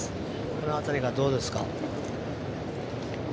この辺りが、どうですか。